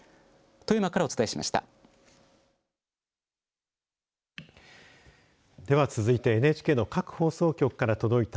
富山からお伝えしました。